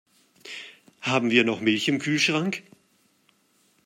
Haben wir noch Milch im Kühlschrank?